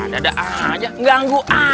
ya udah kenapa gimana